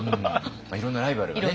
いろんなライバルがね